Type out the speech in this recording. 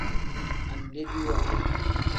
Andebiwa.